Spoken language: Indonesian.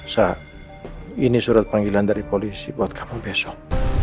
sah ini surat panggilan dari polisi buat kamu besok